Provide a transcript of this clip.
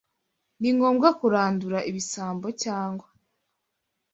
Ni ngombwa kurandura ibisambo cyangwa